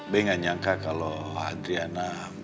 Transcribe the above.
be gak nyangka kalau adriana